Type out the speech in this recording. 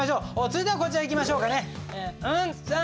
続いてはこちらいきましょうかね。